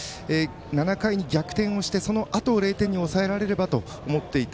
７回に逆転をしてそのあとを０点に抑えられればと思っていた。